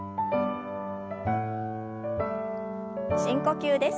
深呼吸です。